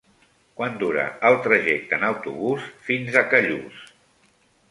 Quant dura el trajecte en autobús fins a Callús?